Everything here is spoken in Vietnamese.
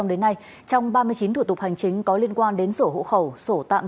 ngày hai mươi một tháng một mươi hai năm hai nghìn